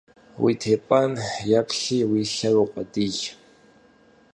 Уи тепӀэн йэплъи, уи лъэр укъуэдий.